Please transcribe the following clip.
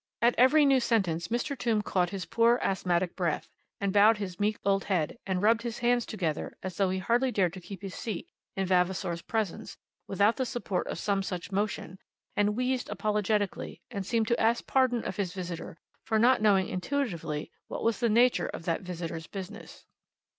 At every new sentence Mr. Tombe caught his poor asthmatic breath, and bowed his meek old head, and rubbed his hands together as though he hardly dared to keep his seat in Vavasor's presence without the support of some such motion; and wheezed apologetically, and seemed to ask pardon of his visitor for not knowing intuitively what was the nature of that visitor's business.